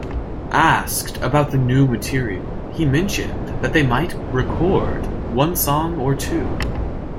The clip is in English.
Asked about new material, he mentioned that they might record one song or two.